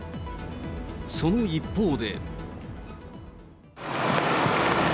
その一方で。